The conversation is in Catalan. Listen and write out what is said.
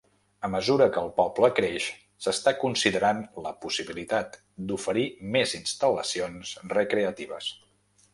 A mesura que el poble creix, s'està considerant la possibilitat d'oferir més instal·lacions recreatives.